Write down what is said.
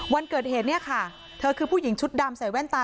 วันเกิดเหตุเนี่ยค่ะเธอคือผู้หญิงชุดดำใส่แว่นตา